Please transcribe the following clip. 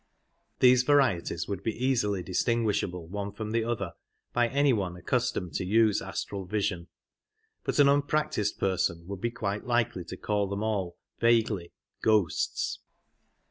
These varieties would be easily distinguishable one from the other by any one accustomed to use astral vision, but an unpractised person would be quite likely to call them all vaguely "ghosts".